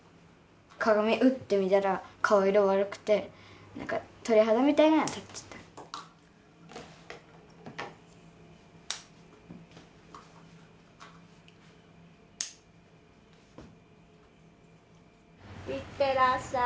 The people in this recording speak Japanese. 鏡ウッて見たら顔色悪くてなんか鳥肌みたいなのが立ってたいってらっしゃい。